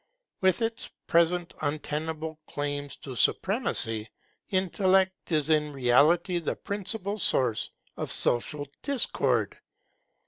With its present untenable claims to supremacy, Intellect is in reality the principal source of social discord.